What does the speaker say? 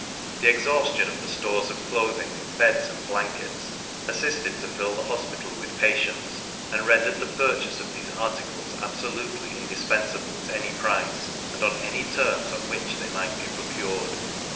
The exhaustion of the stores of clothing and beds and blankets, assisted to fill the hospital with patients, and rendered the purchase of these articles absolutely indispensable at any price, and on any terms on which they might be procured.